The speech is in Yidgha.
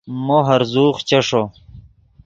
مو ہرزوغ چیݰو